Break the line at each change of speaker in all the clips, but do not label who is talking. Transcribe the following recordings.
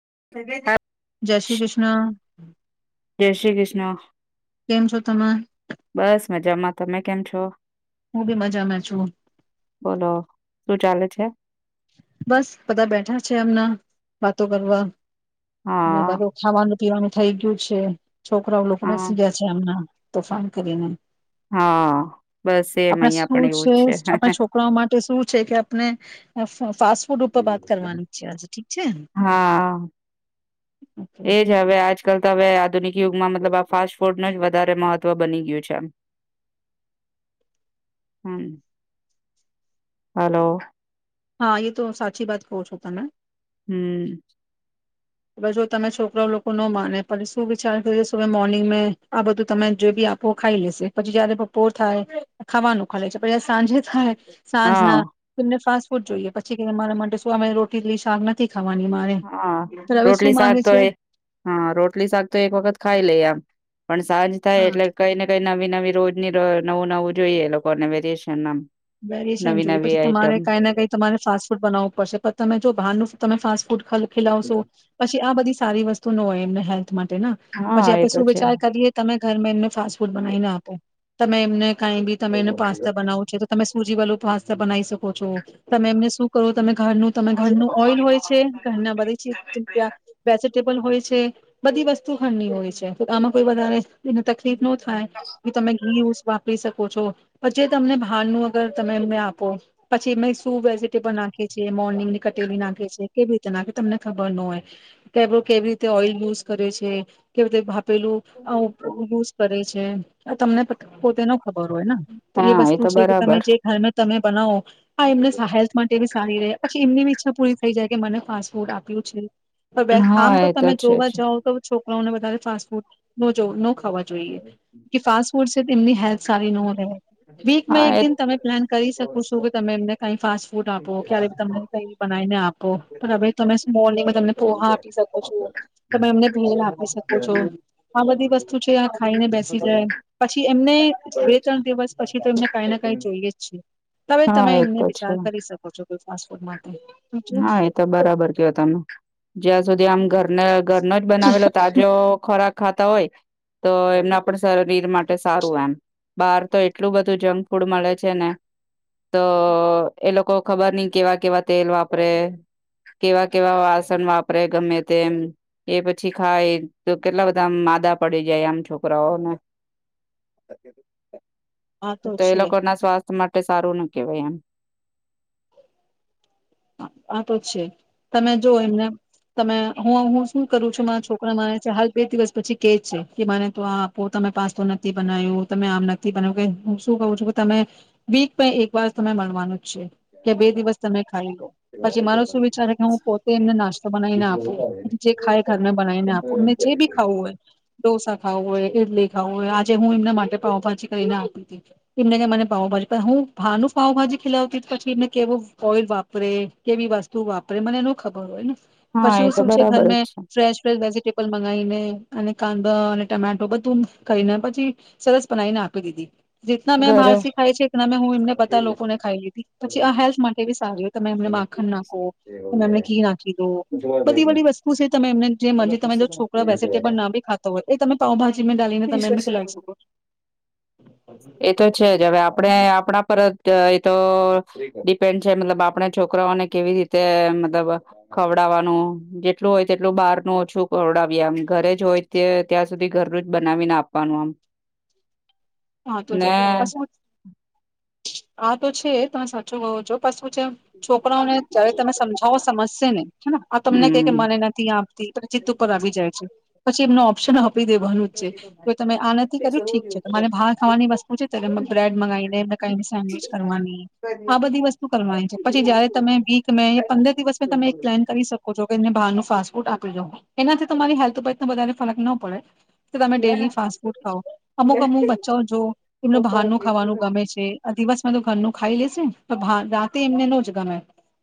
[unintelligible]
જય શ્રી કૃષ્ણ.
જય શ્રી કૃષ્ણ.
કેમ છો તમે
બસ મજામાં તમે કેમ છો? [inaudible]
હું બી મજામાં છું.
બોલો શું ચાલે છે?
બસ બધા બેઠા છે એમના વાતો કરવા. અને
હા
બધુ ખાવાનું પીવાનું થઇ ગયું છે. છોકરાઓ લોકો
હા
બેસી ગયા છે એમના તોફાન કરીને.
હા બસ એમ
આપને
અહિયાં
શું
પણ એવું
છે
જ
આપણા છોકરાઓ માટે શું છે કે આપને ફાસ્ટ ફૂડ ઉપર વાત કરવાની છે આજે ઠીક છે.
હા
ઓકે.
એજ હવે આજકાલ હવે આધુનિક યુગમાં મતલબ આ ફાસ્ટ ફૂડનું વધારે મહત્વ બની ગયું છે હા હલો.
હા એ તો સાચી વાત કો છો તમે.
હમ્મ.
બસ જો તમે છોકરાઓ લોકો ન માને પછી શું વિચાર મોર્નિંગ મે આ બધું તમે જો બી આપો ખાઈ લેશે પછી જયારે બપોર થાય ખાવાનું ખા છે પછી સાંજે થાય સાંજ
હા
ના તેમને ફાસ્ટ ફૂડ જોઈએ પછી કે અમારા માટે શું અમે રોટીલી શાક નથી ખવાની મારે.
હા
હવે શું
રોટલી શાક
માંગે
તો
છે
એ હા રોટલી શાક તો એક વખત ખાઈ લે આમ. પણ સાંજ થાય
હા
એટલે કઈ ને કઈ નવી નવી રોજની નવું નવું જોઈએ લોકોને વેરએશન ના
વેરીશન જોઈએ પછી તમારે કઈ ના કઈ તમારે ફાસ્ટ ફૂડ બનાવવું પડશે પણ તમે જો બહારનું તમે ફાસ્ટ ફૂડ ખીલાવશું પછી આ બધી સારી વસ્તુ નો હોય એમને હે. માટે ન
હા
પછી
એ
આપણે
તો છે.
સુવીચાર કરીએ તમે ઘરમે ફાસ્ટ ફૂડ બનાઈ નાને આપે. તમે એમને કઈ બી તમે એને પાસ્તા બનાવો છો તો તમે સુજી વાળા પાસ્તા બનાવી શકો છો, તમે એમને શું કરો ત ઘરનું ત ઘરનું ઓઈલ હોય છે ઘરના બધી ત્યાં વેજીિટેબલ હોય. બધી વસ્તુ ખંની હોય છે આમાં કોઈ બ તલી ઇતનો થાય, તમે ઘી યુઝ વાપરી શકો છો, પછ તમને હડ ન અગર તમે આપો, પછી મે શું વેજીટેબલ નાખેએ મોર્નિંગ ની કટેલી નાખે કેવી રીતે નાખે તમને ખબર ન હોય, કે કેવી રીતે ઓઈલ યુઝ કરે છે, કેવી રીતે પેલું, આ પ્રયોગ યુઝ કરે છે, આ તમને પો તેનો ખબર હોય ને, તો એ વસ્તુ કે તમે જે ઘર સમય બનાવ. હા એમને હેલ્થ માટે બી સારી રહે પછી એમની બીઈચ્છા પરી થઈ જાય કે મને ફાસ્ટ ફૂડ આપ્યું છે. હ બે
હા
આમ
એ
તો તમે
છે જ
જોવા જાવ તો છોક મને બતાવી ફાસ્ટ ફૂડ તો જોડલો વા જોઈએ, કે ફાસ ફૂડ તેમ એમની હેલ્થ સારી ન હો રહે. વીકમાં
હા
એક
એ
દિન તમે પ્લાન કરી શકો છો કે તમે એમને કઈ ફાસ્ટ ફૂડ આપો ક્યારે ત ક બને આપો હવે તમે તમને પોહા આપી શકો. તોમે એમને ભી લ સકો છો. આ બધી વસ્તુ છે આ ખાઈ બેસી જાય, પછી એમને બે ત્રણ દિવસ પછી તો એમને કઈ ના કઈ જોઈએ જીએ. તમે
હા
તમે
એ
એમને
તો
વિચાર કરી શકો છો કોઈ પા પમાંથે.
ના એ તો બરાબર કયો તમે, જ્યાં સુધી આમ ઘરનો જ બનાવેલો તાજો ખોરાક ખાતા હોય, તો એમના પણ શરીર માટે સારું એમ, બાર તો એટલું બધું જંક ફૂડ મળે છે ને, તો એ લોકો ખબર નહ કેવા કેવા તેલ વાપ રે, કેવા કેવા વાસન વાપરે ગમે તેમ, એ પછી ખાય તો કેટલા બધા માદા પડી જાય આમ છોકરાઓને.
આ
તો એ
છે
લોકો ના સ્વાસ્થ્ય માટે સારું ન કેવાય એમ
આ તો છે તમે જો એમને તમે હું હું શું કરું છું મારા છોકરા માને છે હાલ બે દિવસ પછી કેજ છે કે મને તો આ આપો તમે પાસ્તો નથી બનાવ્યો તમે આમ નથી બનાવ્યું કે હું શું કહું છું કે તમે વીક એક વાર તમે મળવાનું કે બે દિવસ તમે પછી મારો શું વિચાર કે હું પોતે એમને નાસ્તો બનાવીને આપું જે ખાય ઘરને બનાવીને આપું એમને જે બી ખાવું હોય ઢોસા ખાવું હોય ઈડલી ખાવું હોય આજે હું એમના માટે પાવભાજી કરીને આપી હતી એમને મને પાવ ભાજી હું ભારાન પાવભાજી ખીલાવતી પછી એમને કેવો ઓઈલ વાપર વાપરે કેવી વસ્તુ વાપરે મને એનું ખબર હોય ને
હા
પછી
એ તો
ઉ છેે ઘર
બરાબર
મે
જ છે
ફ્રેશ ફેશ વેજીિટેબલ મંગાઈને અને કાંદા અને ટમેટો બધું કરીને પછી સરસ બનાવીને આપી દીધી જેટના મેં
ઘરે
બારસી ખાય છે એટના મેં હું એમને બધ લોકોને ખાઈ લીધી પછી આ હેલ્થ માટે બી સારી હતી. તમે એમને માખણ નાખો તમે એમને ઘી નાખી દો બધી બધી વસ્તુ છે તમે એમને જે
એ
મ તમે જો છોકરા વેજીિટેબલ ના બી ખાતા હોય એ તમે પાઉભાજીમાં ડાલીને તમે એ ખેલાવી શકો છો
તો છે જ હવે આપણે આપણા પર જ એ તો ડિપેન્ડ છે મતલબ આપણે છોકરાઓને કેવી રીતે મતલબ ખવડાવવાનું જેટલું હોય તેટલું બહારનું ઓછું ખવડાવીમ ઘરે જ હોય તે ત્યાં સુધી ઘરનું જ બનાવીને આપવાનું આમ
હા તુંજ
ને
પ આ તો છે તમે સાચો કહો છો પછ છોકરાઓને જયારે તમે સમજાવો સમજશે ને હે આ તમને કે કે
હમ
મને નથી આપતી ચિત્ત ઉપર આવી જાય છે. પછી એમનો ઓપ્શન આપી દેવાનું જ છે જો તમે આ નથી કર્યું ઠીક છે તમારે બહાર ખાવાની વસ્તુ છે ત બ્રેડ મગાવીને ક મોજ કરવાની આ બધી વસ્તુ કરવાની છે પછી જયારે તમે વીક મે પંદર દિવસ તમે એક પ્લાન કરી શકો કો છૈ બહારનું ફાસ્ટ ફૂડ આપી એનાથી તમારી હેલ્થ ઉપર વધારે ફરક ના પડે કે તમે ડેલી ફાસ્ટ ફૂડ ખાઓઅમુક અમુક બચ્ચા જો એમનું બહારનું ખાવાનું ગમે છે. દિવસ માં તો ઘરનું ખાઈ લેશે રાતે એમને નો જ ગમે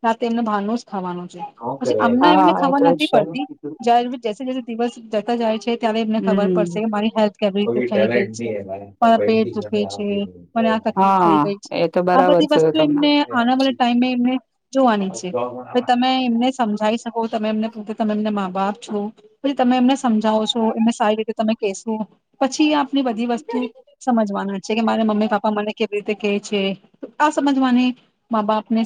રાતે એમને બારનુ જ ખાવાનું છે પછી અમને એમને
હા એ
ખબર
તો
નથી
છે
પડતી જયારે જેસે જ દિવસ જતા જાય છે. ત્યારે એમને ખબર
હમ.
પડશે કે મારી હેલ્થ કેવી રીતે થઈ ગઈ છે મારા પેટ દુખે છે મને આ તકલીફ થઈ
હા
ગઈ
એ
છે
તો
આ
બરાબર
બધી
કયું
વસ્તુ
તમને.
એમને
આવે
આનાવાળા
આપી.
ટાઈમે એમને જોવાની છે તમે એમને સમજાઈસ શકો તમે એમને પોતે તમે એમને મા બાપ છો પછી તમે એમને સમજાવો છો એમને સારી રીતે તમે કેશો પછી આપની બધી વસ્તુ સમજવાના છે કે મારે મમ્મી પાપા મને કેવી રીતે કેય છે આ સમજવાની મા બાપને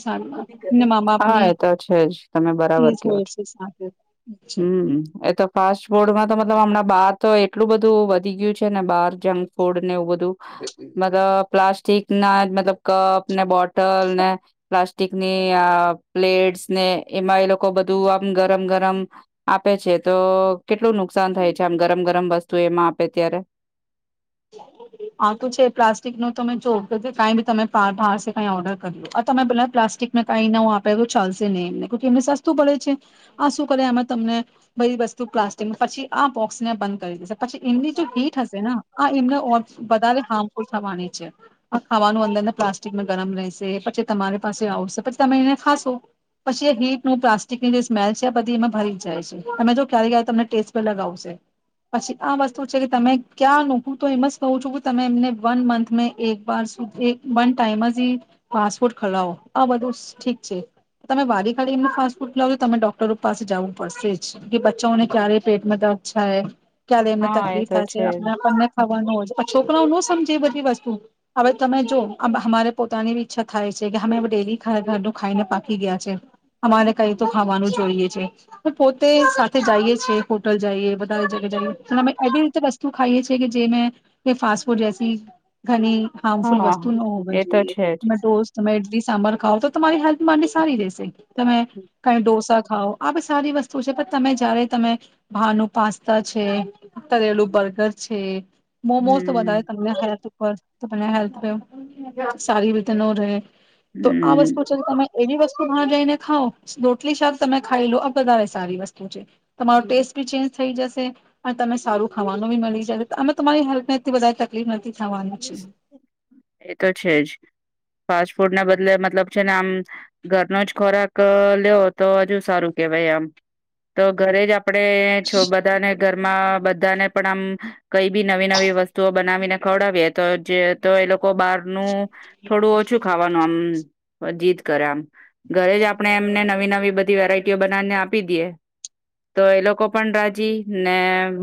મા
હા
બાપની
એ તો છે જ તમે
એ
બરાબર
જ
કેવો
હોય
છો
છે સાથે છે.
હમ એ તો ફાસ્ટફોડમાં તો હમણા બહાર તો એટલું બધું વધી ગયું છે ને બહાર જંક ફૂડ ને એવું બધું મતલબ પ્લાસ્ટિક ના મતલબ કપ ને બોટ ટલ ને પ્લાસ્ટિકની આ પ્લેટ્સ ને એમાં એ લોકો બધું આમ ગરમ ગરમ આપે છે તો કેટલું નુકસાન થાય છે આમ ગરમ ગરમ વસ્તુ એમાં આપે ત્યારે
આ તો છે પ્લાસ્ટિક નો તમે જો કઈ ભી તમે બહારસે કઈ ઓર્ડર કર્યો આ તમે પેલા પ્લાસ્ટિકમાં કાઈ નવું આપેલું ચાલશે નહી એમને એમને સસ્તું પડે છે આશું કરે આમાં તમને બધી વસ્તુ પ્લાસ્ટિકમાં પછી આ બોક્સને બંધ કરી દેશે પછી એમની જો હીટ હશેના વધારે હાર્મફુલ થવાની છે આ ખાવાનું અંદર પ્લાસ્ટિકમાં ગરમ રહેશે પછી તમારી પાસે આવશે પછી તમે એને ખાશો પછી એ હીટનું પ્લાસ્ટિકની જે સ્મેલ છે બધી એમાં ભરી જાય છે તમે જો ક્યારે ક તમને ટેસ્ટ પ લગાવશે પછી આ વસ્તુ છે કે તમે ક્યાંનું હું તો એમ જ કહું છું કે તમે એમને વન મંથ એક વારધી વન ટાઈમ જ ફાસ્ટફૂડ ખલાવો આ બધું ઠીક છે તમે વારી ખાડી એમનું ફાસ્ટ ફૂડ ખલાવો તમે ડોક્ટરો પાસે જવું પડશે જ કે બચ્ચાઓને ક્યારે પેટમાં દર્દ થાય ક્યાયારે એમને
હા એ
તકલીફ
તો
થાય છે આપ
જ
આપણને છોકરાઓ ન સમજે એ બધી વસ્તુ હવે તમે જો અમારે પોતાની ઈચ્છા થાય છે કે અમે ડેલી ઘરનું ખાઈને પાકી ગયા છે અમારે કઈ તો ખાવાનું જોઈએ છે પોતે સાથે જઈએ છે હોટલ જઈએ [unintelligible] વસ્તુ ખાઈએ છીએ કે જે મે કે ફાસ્ટ ફૂડ જેસી ઘની હાર્મફુલ
હા
વસ્તુ ન હોવાવી
એ તો
જોઈએ
છે જ
તમે ડોસ તમે ઇડલી સાંભાર ખાવઓ તો તમારી હેલ્થ માને સારી રેસે તમે કઈ ડોસા ખાવ આ ભી સારી વસ્તુ છે પણ તમે જયારે તમે ભારનું પાસ્તા છે તરેલું બર્ગર છે મોમોસ તો બધારે
હમ
[unintelligible] તો હેલ્થ સારી વીતે ન રહે તો આ વસ્તુ
હમ
છે તમે એવી વસ જો બહાર જઈને ખાાવ રોટલી શાક તમે ખાઈ લો આ વધારે સારી વસ્તુ છે તમારો ટેસ્ટ ભી ચેન્જ થઈ જશે અને તમે સારું ખાવાનું ભી મળી જશે અમે તમારી હેલ્થ ને એટલી વધારે તકલીફ નથી થવાની છે
એ તો છે જ ફાસ્ટ ફૂડ ના બદલે મતલબ છે ને આમ ઘરનો જ ખોરાક લેવ તો હજુ સારું કેહેવાય આમ તો ઘરે જ આપડે એ છો બધાને ઘરમાં બધાને પણ આમ કઈ બી નવી નવી વસ્તુઓ બનાવીને ખવડાવી તો જે તો એ લોકો બહાર નુ થોડું ઓછું ખાવાનું આમ જીત કરે આમ ઘરે જ આપણે એમને નવી નવી બધી વેરાયટીઓ બનાવીને આપી દેએ તો એ લોકો પણ રાજી ને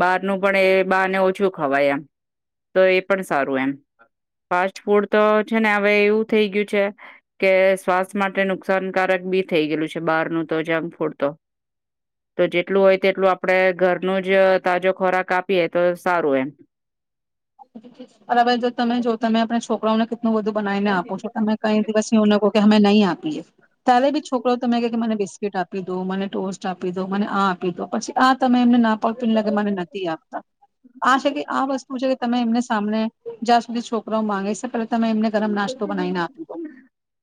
બહારનું પણ એ બહારને ઓછું ખવાય એમ તો એ પણ સારું એમ ફાસ્ટ ફૂડ તો છે ને હવે એવું થઈ ગયું છે કે શ્વાસ માટે નુકસાનકારક બી થઈ ગયેલું છે બહારનું તો જંક ફૂડ તો તો જેટલું હોય તેટલું આપણે ઘરનું જ તાજો ખોરાક આપીએ તો સારું એમ
અરા ભાઈ જો તમે જો તમે આપણા છોકરાઓને હું બધું બનાવીને આપું છું તમે કઈ દિવસ અમે નહીં આપીએ ત્યારે બી છોકરો તમે ક કે મને બિસ્કીટ આપી દો મને ટોસ્ટ આપી દો મને આ આપી દો પછી આ તમે એમને ના પાાવતીને લગે મને નથી આપતા આ છે કે આ વસ્તુ છે એમને સામને જ્યાં સુધી છોકરા માંગી છે પેલા તમે એમને ગરમ નાસ્તો બનાવી ના આપ,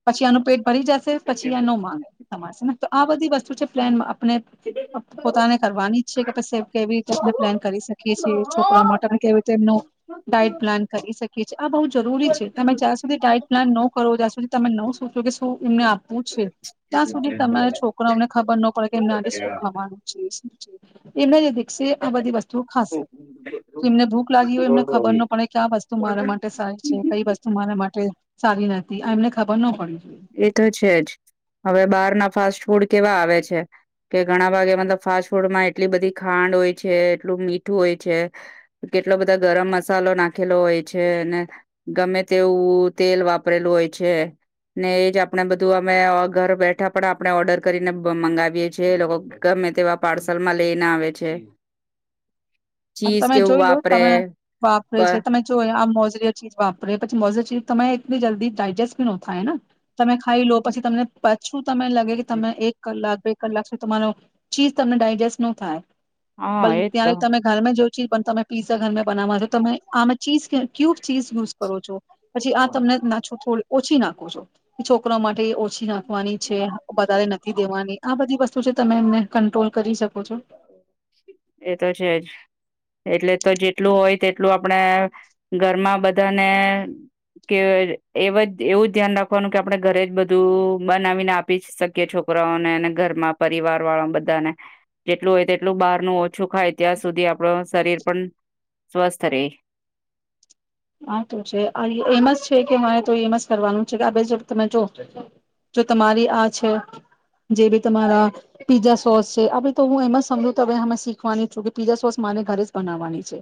પછી ફરી જશે પછી આ નો માંને [unintelligible] ને તો આ બધી વસ્તુ છે, પ્લાનમાં આપને પોતાને કરવાની જ છે કે પછ કેવી રીતે અને પ્લાન કરી શકીએ છીએ, છોકરા માટે કેવી રીતે એમનું ડાયટ પ્લાન કરી શકીએ છીએ, આ બહુ જરૂરી છે તમે જ્યાં સુધી ડાયટ પ્લાન ન કરો ત્યાં સુધી તમે ન શું કે શું એમને આપવું છે, ત્યાં સુધી તમારા છોકરાઓને ખબર ન પડે, કે એમને આજે શું ખવાનું છે. એના જ દ [unintelligible] બધી વસ્તુ ખાશે, એમને ભૂખ લાગી હોય એમને ખબર ન પડે ક્યા વસ્તુ મારા માટે સારી છે, કઈ વસ્તુ મારા માટે સારી નથી, આ એમને ખબર ન પડી
એ તો છે જ હવે બહાર ના ફાસ્ટ ફૂડ કેવા આવે છે. કે ઘણા વાગે મતલબ ફાસ્ટ ફૂડમાં એટલી બધી ખાંડ હોય છે, એટલું મીઠું હોય છે, કેટલો બધા ગરમ મસાલો નાખેલો હોય છે અને ગમે તેવું તેલ વાપરેલું હોય છે. ને એજ આપણે બધું અમે ઘર બેઠા પણ આપણે ઓર્ડર કરીને મંગાવીએ છેીએ, એ લોકો ગમે તેવા પાર્સલ માં લઈને આવે છે. ચીઝ
તમે
કેવું
જોઈ લો,
વાપરે
તમે વાપરે છે, તમે જો આમ મોઝરીય ચીજ વાપરે, પછી મોઝરી ચીજ તમે જલ્દી ડાયજેસ્ટ બી ન થાયને તમે ખાઈ લો પછી તમને પછું તને લાગે કે તમે એક કલાક ભ લાગશે તમારો, ચીઝ તમને ડાયજેસ્ટ ન થાય
હા,
બલકી
એતો
ત્યારે તમે ઘરમાં જો ચી પણ તમે પીઝા ઘરમે બનાવવા છો, તમે આમે ચીઝ ક્યુબ, ચીઝ યુઝ કરો છો પછી આ તમને ના છો થોડી ઓછી નાખો છો, છોકરા માટે ઓછી પછી નાખવાની છે, વધારે નથી દેવાની આ બધી વસ્તુ છે, તમે એમને કંટ્રોલ કરી શકો છો.
એતો છેજ. એટલે તો જેટલું હોય તેટલું આપણેે ઘરમાં બધાને કે એ એવું ધ્યાન રાખવાનું કે આપણે ઘરે જ બધું બનાવીને આપી જ શકીએ છોકરાઓને અને ઘરમાં પરિવાર વાળા બધાને. જેટલું હોય તેટલું બહારનું ઓછું ખાય, ત્યાં સુધી આપણું શરીર પણ સ્વસ્થ રે.
આતો છે. એમ જ છે કે મારે તો એમ જ કરવાનું છે, કે તમે જો જો તમારી આ છે જે બી તમારા પીઝા સોસ છે, તો હું એમ સમજું તો હવે શીખવાની છું કે પીઝા સોસ માને ઘરે જ બનાવવાની છે.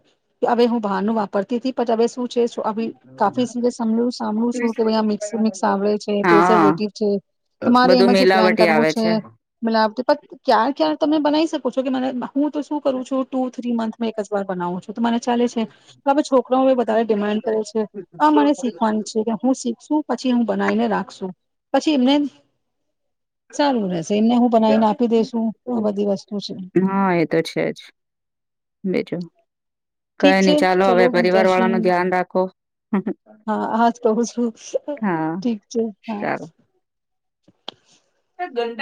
હવે હું બહારનું વાપરતી હતી પણ હવે શું [unintelligible] કાફી [unintelligible] સાંભળું છું કે ભાઈ આ મિક્સર મિક્સ આવડે છે,
હા
પપ્રિઝર્વવેટીવ છે, તમારે
બધું
એમાં જે પ્લાન
મિલાવટી
કરવો
આવે
છે, મિલાવ ક્યાર કયાર તમે બનાવી શકો છો કે મને હું તો શું કરું છું, ટુ થ્રી મંથ માં એકજ વાર બનાવુ છુ. તો મને ચાલે છે કે આપડે છોકરાઓ બધ ે આ મને શીખવાની છે કે હું શીખશું પછી હું બનાવીને રાખશું. પછી એમને. સારું રહેશે એમને હું બનાવીને આપી દેસુ આ બધી વસ્તુ છે.
હા એ તો છે જ બીજું
ઠીક
કઈ
છે
નઈ ચાલો
ચલો
હવે પરિવાર
જશ
વાળાનું ધ્યાન રાખો.
હા હજ કહું છું
હા
ઠીક છે હા. [inaudible]
ચાલો. ગંડા.